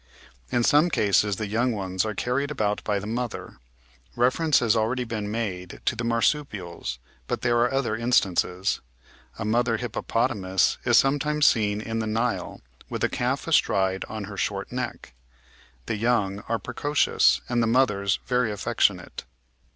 In some cases the young ones are carried about by the mother. Reference has already been made to the marsupials, but there are other instances. A mother hippopotamus is sometimes seen in the Nile with a calf astride on her short neck: the young are precocious, and the mothers very affectionate.